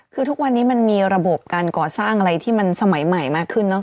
คือทุกวันนี้มันมีระบบการก่อสร้างอะไรที่มันสมัยใหม่มากขึ้นเนอะ